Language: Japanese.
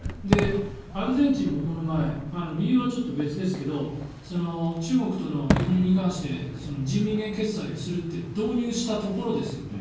アルゼンチンもこの前理由は別ですが中国との輸入に関して人民元決済をするって導入したところですよね。